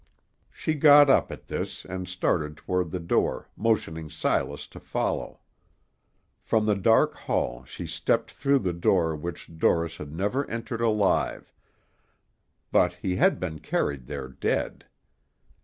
She got up at this, and started toward the door, motioning Silas to follow. From the dark hall she stepped through the door which Dorris had never entered alive; but he had been carried there dead.